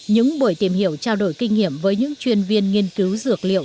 những buổi tìm hiểu trao đổi kinh nghiệm với những chuyên viên nghiên cứu dược liệu